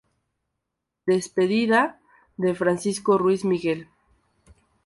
Despedida de Francisco Ruiz Miguel